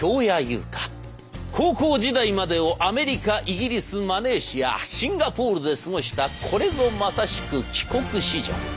高校時代までをアメリカイギリスマレーシアシンガポールで過ごしたこれぞまさしく帰国子女。